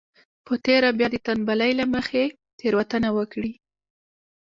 په تېره بيا د تنبلۍ له مخې تېروتنه وکړي.